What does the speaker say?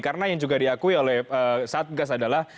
karena yang juga diakui oleh satgas adalah